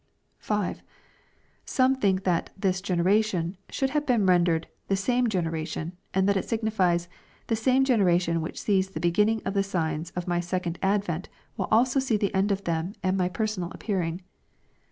5. Some think that " this generation" should have been ren dered, " the same generation," and that it signifies, " the same gen eration which sees the beginning of the signs of my second ad ventj will also see the end of them and my personal appearing."